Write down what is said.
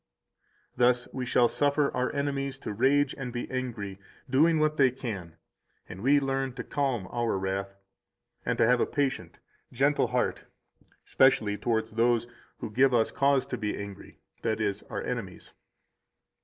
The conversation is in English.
Thus we shall suffer our enemies to rage and be angry, doing what they can, and we learn to calm our wrath, and to have a patient, gentle heart, especially toward those who give us cause to be angry, that is, our enemies.